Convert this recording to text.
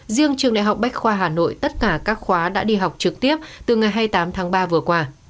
riêng trường đại học bách khoa hà nội tất cả các khóa đã đi học trực tiếp từ ngày hai mươi tám tháng ba vừa qua